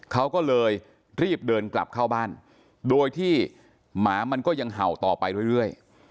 เขาก็เลยรีบเดินกลับเข้าบ้านโดยที่หมามันก็ยังเห่าต่อไปเรื่อย